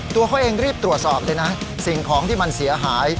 ตัวเขาเองรีบตรวจสอบเลยนะสิ่งของที่มันเสียหาย